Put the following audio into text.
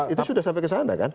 itu sudah sampai ke sana kan